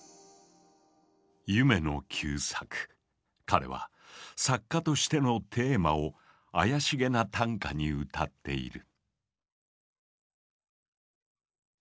彼は作家としてのテーマを怪しげな短歌に歌っている。